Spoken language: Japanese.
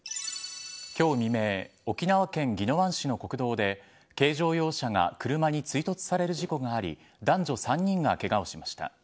今日未明沖縄県宜野湾市の国道で軽乗用車が車に追突される事故があり男女３人がケガをしました。